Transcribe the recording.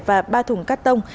và ba thùng cắt tông